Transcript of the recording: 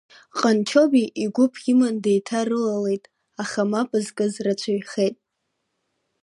Ҟанчобеи игәыԥ иман деиҭарылалаеит, аха мап зкыз рацәаҩхеит.